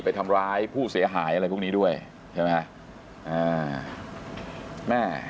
ไปทำร้ายผู้เสียหายอะไรพวกนี้ด้วยใช่ไหมอ่าแม่